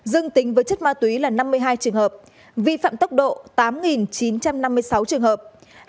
dương tính với chất ma túy là năm mươi hai trường hợp vi phạm tốc độ tám chín trăm năm mươi sáu trường hợp